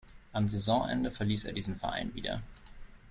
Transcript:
Am Saisonende verließ er diesen Verein wieder.